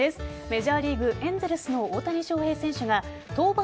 メジャーリーグエンゼルスの大谷翔平選手が登板